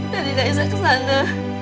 dari naisa ke sana